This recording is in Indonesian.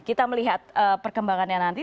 kita melihat perkembangannya nanti